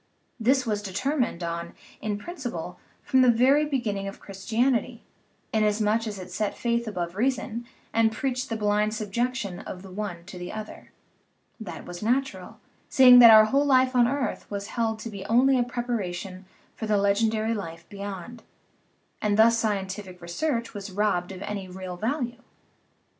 This was determined on, in principle, from the very beginning of Christianity, inasmuch as it set faith above reason and preached the blind subjection of the one to the other; that was natural, seeing that our whole life on earth was held to be only a preparation for the legendary life beyond, and thus scientific re search was robbed of any real value.